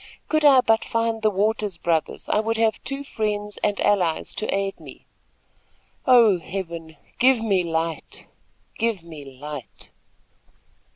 "Could I but find the Waters brothers, I would have two friends and allies to aid me. Oh, Heaven, give me light! Give me light!"